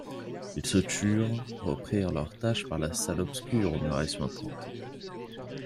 Ils se turent, reprirent leur tâche par la salle obscure aux murailles suintantes.